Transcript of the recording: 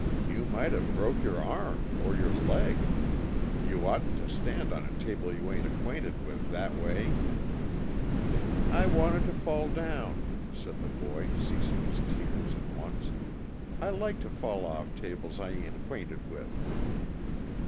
"You might have broke your arm, or your leg. You oughtn't to stand on a table you ain't acquainted with, that way." "I wanted to fall down," said the boy, ceasing his tears at once. "I like to fall off tables I ain't 'quainted with."